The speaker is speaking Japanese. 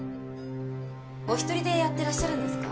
お一人でやってらっしゃるんですか？